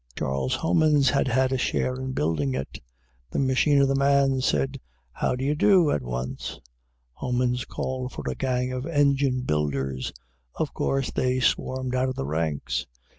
Charles Homans had had a share in building it. The machine and the man said, "How d'y' do?" at once. Homans called for a gang of engine builders. Of course they swarmed out of the ranks.